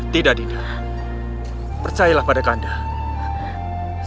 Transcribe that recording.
tidak dinda percayalah pada kandai